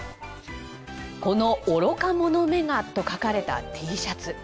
「この愚か者めが」と書かれたＴシャツ。